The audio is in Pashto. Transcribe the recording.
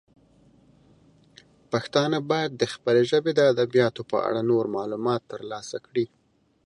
پښتانه باید د خپلې ژبې د ادبیاتو په اړه نور معلومات ترلاسه کړي.